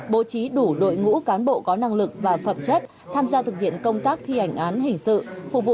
bố trí đủ đội ngũ cán bộ có năng lực và phẩm chất tham gia thực hiện công tác thi hành án hình sự